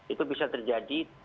itu bisa terjadi